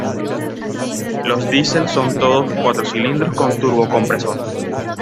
Los Diesel son todos cuatro cilindros con turbocompresor.